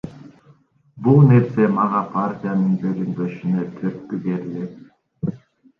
Бул нерсе мага партиянын бөлүнбөшүнө түрткү берди.